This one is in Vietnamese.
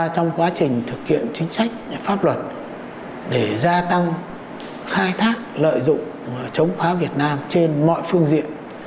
trong quá trình thực hiện chính sách pháp luật để gia tăng khai thác lợi dụng và chống phá việt nam trên mọi phương diện